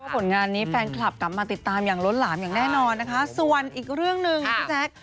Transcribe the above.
ผลงานนี้แฟนคลับกลับมาติดตามอย่างล้นหลามอย่างแน่นอนนะคะส่วนอีกเรื่องหนึ่งพี่แจ๊ค